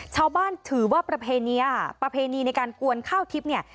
ชาวบ้านถือว่าประเพณีในการกวนข้าวทิพย์